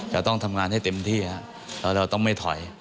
จะต้องทำงานให้เต็มที่เราต้องไม่ถอย